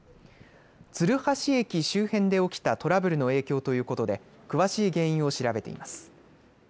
鶴橋駅周辺で起きたトラブルの影響ということで詳しい原因を調べています。